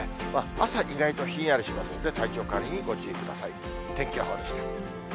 朝、意外とひんやりしますので、体調管理にご注意ください。